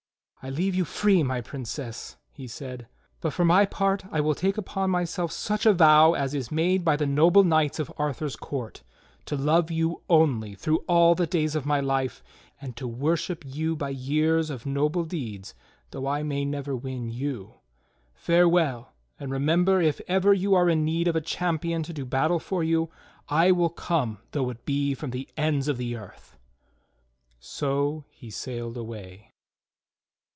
"I leave you free, my Princess," he said, "but for my part I will take upon myself such a vow as is made by the noble knights of Arthur's court — to love you only through all the days of my life, and to worship you by years of noble deeds though I may never win you. Farewell, and remember if ever you are in need of a champion to do battle for you, I will come though it be from the ends of the earth." So he sailed away.